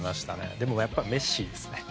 でも、やっぱりメッシですね。